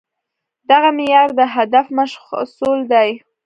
دغه معيار د هدف مشخصول دي.